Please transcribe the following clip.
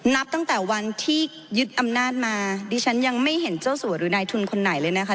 นับตั้งแต่วันที่ยึดอำนาจมาดิฉันยังไม่เห็นเจ้าสัวหรือนายทุนคนไหนเลยนะคะ